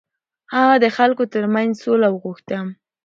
هغه د خلکو تر منځ سوله وغوښته.